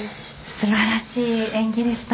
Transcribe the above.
素晴らしい演技でした。